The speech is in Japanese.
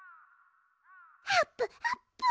あっぷあっぷ。